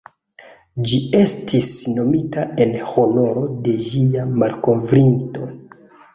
Ĝi estis nomita en honoro de ĝia malkovrinto.